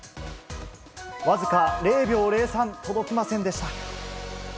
僅か０秒０３届きませんでした。